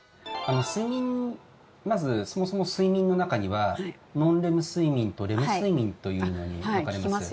まずそもそも睡眠の中にはノンレム睡眠とレム睡眠というのに分かれます。